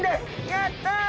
やった！